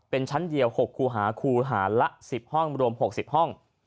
เป็นชั้นเดียว๖คูหาคูหาละ๑๐ห้องรวม๖๐ห้อง